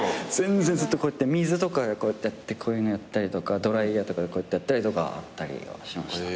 ずっとこうやって水とかこうやってこういうのやったりとかドライヤーとかでこうやってやったりとかはしました。